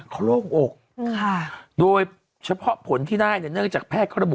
เขาโล่งอกโดยเฉพาะผลที่ได้เนี่ยเนื่องจากแพทย์เขาระบุ